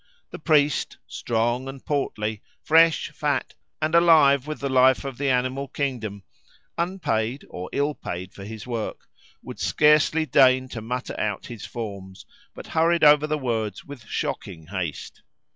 The priest, strong and portly, fresh, fat, and alive with the life of the animal kingdom, unpaid, or ill paid for his work, would scarcely deign to mutter out his forms, but hurried over the words with shocking haste.